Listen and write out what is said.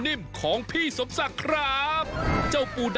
วันนี้พาลงใต้สุดไปดูวิธีของชาวเล่น